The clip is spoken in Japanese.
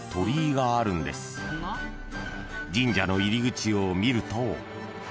［神社の入り口を見ると］